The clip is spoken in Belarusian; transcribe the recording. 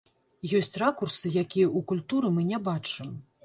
Ёсць ракурсы, якія ў культуры мы не бачым.